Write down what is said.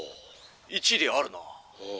「一理あるな」。